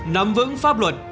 nắm vững pháp luật